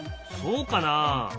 そうかな？